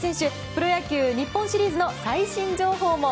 プロ野球日本シリーズの最新情報も。